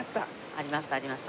ありましたありました。